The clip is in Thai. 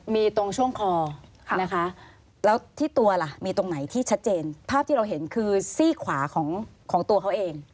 มีตรงช่วงคอนะคะแล้วที่ตัวล่ะมีตรงไหนที่ชัดเจนภาพที่เราเห็นคือซี่ขวาของตัวเขาเอง